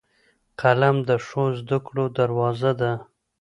قلم د ښو زدهکړو دروازه ده